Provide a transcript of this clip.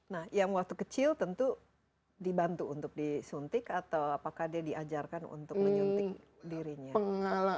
nah yang waktu kecil tentu dibantu untuk disuntik atau apakah dia diajarkan untuk menyuntik dirinya